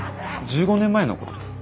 １５年前の事です。